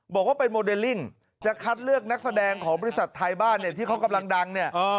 บอกว่าเป็นโมเดลลิ่ง